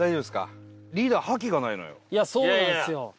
そうなんですよ。